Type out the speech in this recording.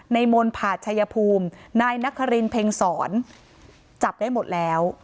ในมนตร์ผ่าชัยภูมินายนักฮารินเพ็งศรจับได้หมดแล้ว